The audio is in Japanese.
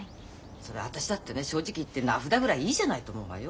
そりゃ私だってね正直言って名札ぐらいいいじゃないって思うわよ。